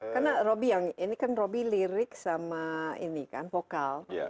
karena robby yang ini kan robby lirik sama ini kan vokal